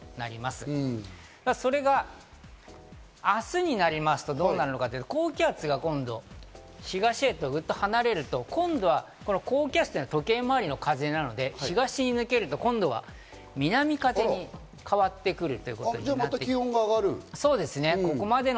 ただ、それが明日になりますとどうなるかというと、今度は高気圧が東へとグッと離れると、今度はこの高気圧は時計回りの風なので、東に抜けると今度は南風に変わってくる。